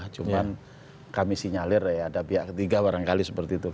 cuma kami sinyalir ya ada pihak ketiga barangkali seperti itu